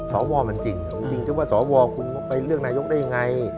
สอบว่ามันจริงจริงจริงแต่ว่าสอบว่าคุณไปเลือกนายกได้ยังไง